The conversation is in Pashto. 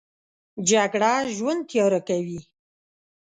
جګړه ژوند تیاره کوي